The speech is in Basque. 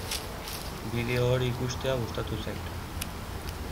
Bideo hori ikustea gustatu zait.